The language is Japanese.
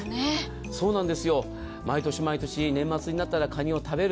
そうなんですよ、毎年毎年年末になったらかにを食べる。